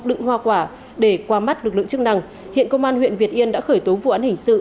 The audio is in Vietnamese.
đựng hoa quả để qua mắt lực lượng chức năng hiện công an huyện việt yên đã khởi tố vụ án hình sự